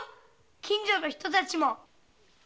近所の人たちも。